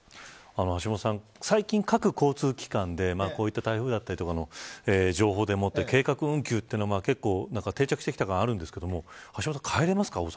橋下さん、最近各交通機関で台風だったりの情報で計画運休というのが結構定着してきた感があるんですが橋下さん大阪に帰れますか。